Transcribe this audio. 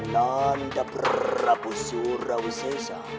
nanda prabu surawisesa